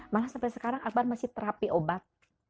malah sampai sekarang akbar masih terapi obat